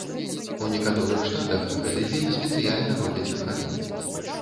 У некаторых штатах гэты дзень спецыяльна робяць выхадным.